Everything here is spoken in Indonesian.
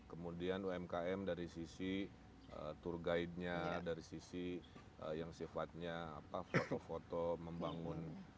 kemudian umkm dari sisi tour guide nya dari sisi yang sifatnya foto foto membangun